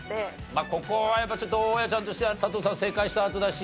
まあここはやっぱちょっと大家ちゃんとしては佐藤さん正解したあとだし。